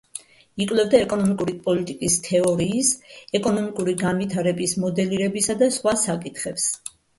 იკვლევდა ეკონომიკური პოლიტიკის თეორიის, ეკონომიკური განვითარების მოდელირებისა და სხვა საკითხებს.